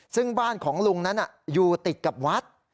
ซึ่งบ้านของลุงนั้นอยู่ติดกับวัด